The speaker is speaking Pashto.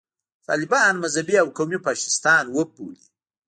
طالبان مذهبي او قومي فاشیستان وبولي.